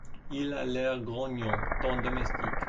Il a l’air grognon, ton domestique.